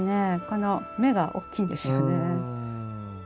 この目が大きいんですよね。